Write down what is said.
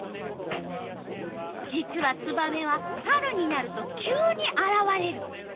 実はツバメは春になると急にあらわれる。